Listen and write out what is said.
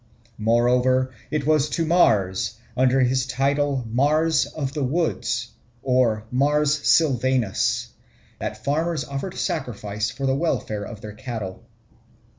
Moreover, it was to Mars, under his title of "Mars of the woods" (Mars Silvanus), that farmers offered sacrifice for the welfare of their cattle.